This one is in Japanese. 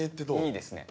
いいですね